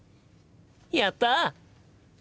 やった！